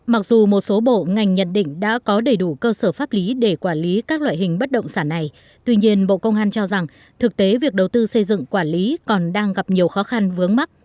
mặc dù một số bộ ngành nhận định đã có đầy đủ cơ sở pháp lý để quản lý các loại hình bất động sản này tuy nhiên bộ công an cho rằng thực tế việc đầu tư xây dựng quản lý còn đang gặp nhiều khó khăn vướng mắt